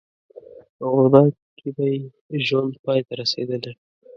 په بغداد کې به یې ژوند پای ته رسېدلی.